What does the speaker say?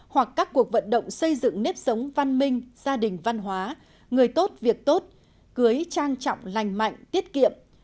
hoặc các cuộc vận động xây dựng nếp sống văn minh gia đình văn hóa người tốt việc tốt cưới trang trọng lành mạnh tiết kiệm